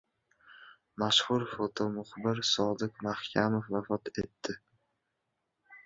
Mashhur fotomuxbir Sodiq Mahkamov vafot etdi